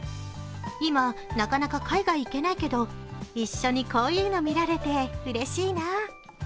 今、なかなか海外行けないけど一緒にこういうの見られてうれしいな。